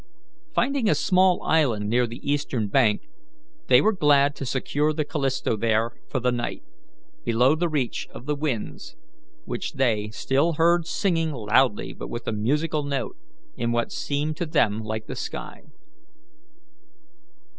Finding a small island near the eastern bank, they were glad to secure the Callisto there for the night, below the reach of the winds, which they, still heard singing loudly but with a musical note in what seemed to them like the sky.